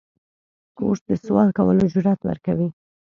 کورس د سوال کولو جرأت ورکوي.